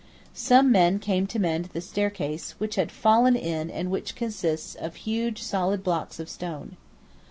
Some men came to mend the staircase, which had fallen in and which consists of huge solid blocks of stone.